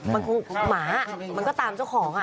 มันคงหมามันก็ตามเจ้าของ